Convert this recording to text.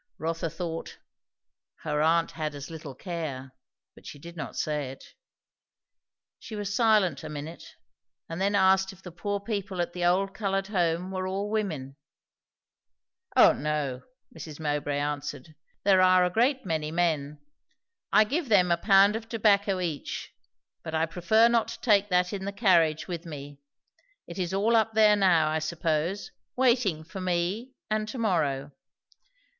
Rotha thought, her aunt had as little care; but she did not say it. She was silent a minute, and then asked if the poor people at the Old Coloured Home were all women? "O no!" Mrs. Mowbray answered. "There are a great many men. I give them a pound of tobacco each; but I prefer not to take that in the carriage with me. It is all up there now, I suppose, waiting for me and to morrow."